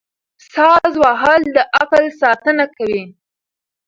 ساز وهل د عقل ساتنه کوي.